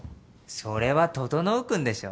それは整君でしょ。